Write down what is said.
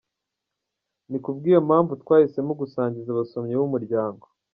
Ni ku bwiyo mpamvu twahisemo gusangiza abasomyi b’umuryango.